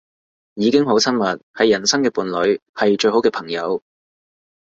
已經好親密，係人生嘅伴侶，係最好嘅朋友